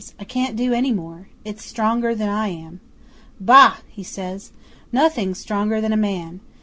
"I can't do any more. It's stronger than I am." '"Bah!" he says. "Nothing's stronger than a man.